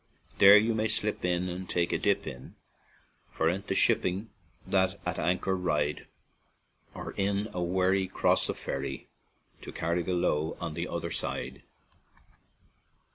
" There you may slip in and take a dippin' Forenent the shippin' that at anchor ride; Or in a wherry cross o'er the ferry To Carrigaloe, on the other side."